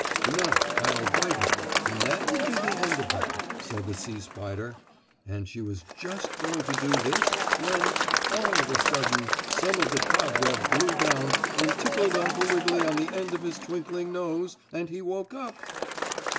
"Now, I'll bite him and that will be the end of him," said the sea spider, and she was just going to do this when, all of a sudden, some of the cobweb blew down and tickled Uncle Wiggily on the end of his twinkling nose, and he woke up.